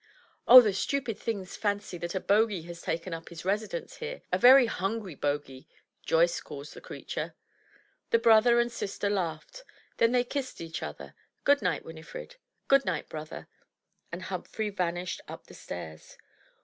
"Oh, the stupid things fancy that a Bogie has taken up his residence here. A very hungry Bogie, Joyce calls the creature!" The brother and sister laughed; then they kissed each other. "Good night, Winifred." "Good night, brother." And Humphrey vanished up the stairs.